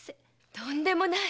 とんでもない。